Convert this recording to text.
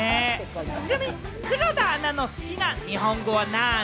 ちなみに黒田アナの好きな日本語はなぁに？